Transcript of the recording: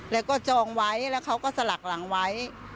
แล้วก็จองไว้แล้วเขาก็สลักหลังไว้